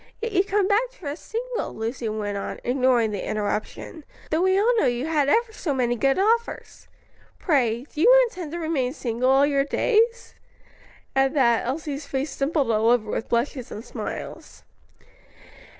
"Yet you've come back to us single," Lucy went on, ignoring the interruption, "though we all know you had ever so many good offers. Pray, do you intend to remain single all your days?" At that, Elsie's face dimpled all over with blushes and smiles.